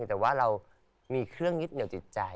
แต่ว่าเรามีเครื่องยึดเหนียวจิตใจ